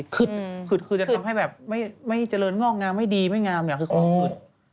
คือจะทำให้แบบไม่เจริญงอกงามไม่ดีไม่งามเนี่ยคือของขึ้น